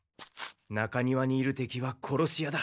中庭にいる敵はころし屋だ。